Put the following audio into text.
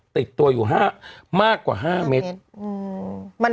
ติดตัวอยู่มากกว่า๕เมตร